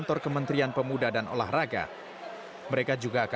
terima kasih sekali lagi